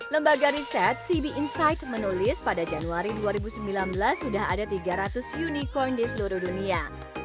lembaga riset cb insight menulis pada januari dua ribu sembilan belas sudah ada tiga ratus unicorn di seluruh dunia